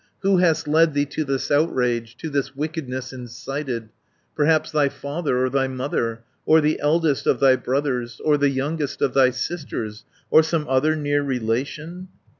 "Who hast led thee to this outrage, To this wickedness incited? Perhaps thy father or thy mother, Or the eldest of thy brothers, Or the youngest of thy sisters, Or some other near relation?